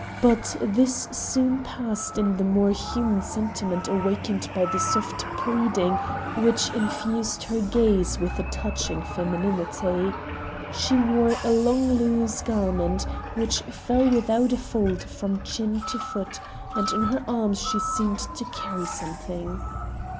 But this soon passed in the more human sentiment awakened by the soft pleading which infused her gaze with a touching femininity. She wore a long loose garment which fell without a fold from chin to foot, and in her arms she seemed to carry something.